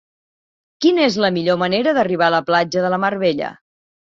Quina és la millor manera d'arribar a la platja de la Mar Bella?